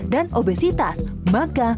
dan obesitas maka